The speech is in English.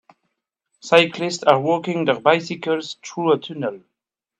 Cyclists are walking their bicycles through a tunnel.